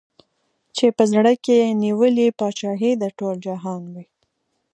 چي په زړه کي یې نیولې پاچهي د ټول جهان وي